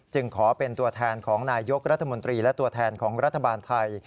ขอเป็นตัวแทนของนายยกรัฐมนตรีและตัวแทนของรัฐบาลไทย